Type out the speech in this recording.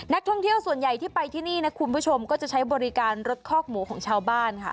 นักท่องเที่ยวส่วนใหญ่ที่ไปที่นี่นะคุณผู้ชมก็จะใช้บริการรถคอกหมูของชาวบ้านค่ะ